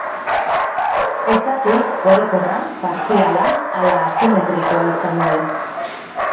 Ez dakit orokorra, partziala ala asimetrikoa izango den.